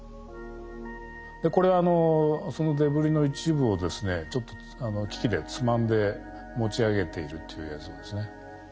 これそのデブリの一部をですねちょっと機器でつまんで持ち上げているという映像ですね。